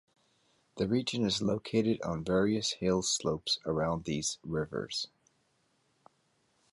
The region is located on various hill slopes around these rivers.